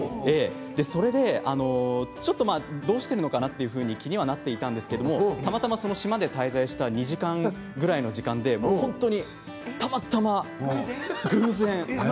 それでどうしているのかなと気にはなっていたんですけれどたまたま、島に滞在した２時間ぐらいの中で本当にたまたま偶然。